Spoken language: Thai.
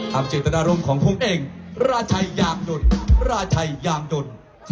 ถามเจตนารมณ์ของคุณเองราชัยยามยนต์ราชัยยามยนต์